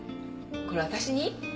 これ私に？